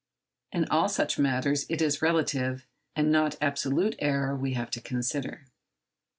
In all such matters it is relative and not absolute error we have to consider.